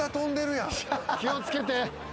気を付けて。